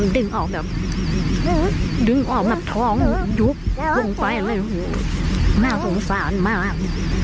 ดึงออกแบบดึงออกแบบท้องยุบลงไปเลยน่าสงสารมาก